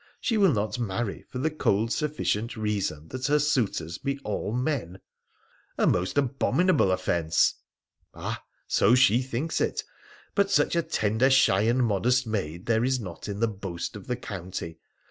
She will not marry, for the cold sufficient reason that her suitors be all men !' 4 A most abominable offence.' 4 Ah ! so she thinks it. Such a tender, shy, and modest maid there is not in the boast of the county.